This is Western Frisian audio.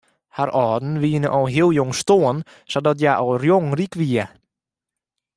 Har âlden wiene al heel jong stoarn sadat hja al jong ryk wie.